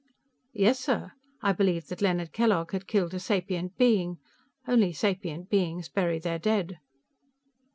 "Yes, sir. I believed that Leonard Kellogg had killed a sapient being. Only sapient beings bury their dead."